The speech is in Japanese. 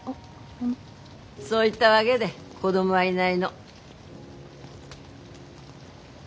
そういったわげで子供はいないの。